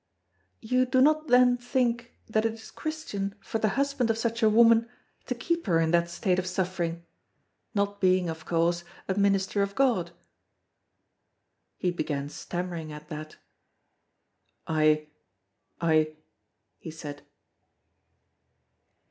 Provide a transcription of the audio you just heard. "You do not then think that it is Christian for the husband of such a woman to keep her in that state of suffering—not being, of course, a minister of God?" He began stammering at that: "I—I——" he said.